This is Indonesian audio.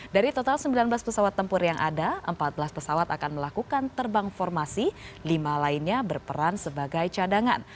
dari total sembilan belas pesawat tempur yang ada empat belas pesawat akan melakukan terbang formasi lima lainnya berperan sebagai cadangan